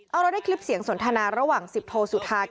เอาแล้วได้คลิปเสียงสนทนาระหว่าง๑๐โทรสุทธากับไอธิปุ่น